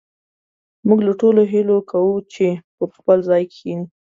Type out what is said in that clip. موږ له ټولو هيله کوو چې پر خپل ځاى کښېنئ